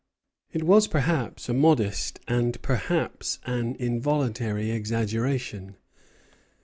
It was a modest and perhaps an involuntary exaggeration.